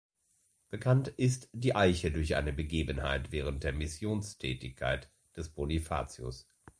Bekannt ist die Eiche durch eine Begebenheit während der Missionstätigkeit des Bonifatius.